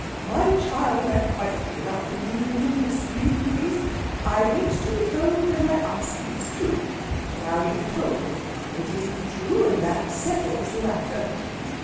"My child, I've quite given up believing and disbelieving things. I wait to be told, and then I ask if it's true. Now you've told me. It isn't true, and that settles the matter."